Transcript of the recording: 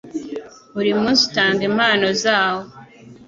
Buri munsi utanga impano zawo.